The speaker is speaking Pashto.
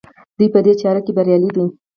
دوی په دې چاره کې بریالي دي.